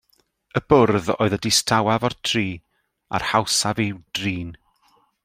Y bwrdd oedd y distawaf o'r tri a'r hawsaf i'w drin.